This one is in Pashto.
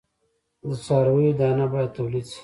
د څارویو دانه باید تولید شي.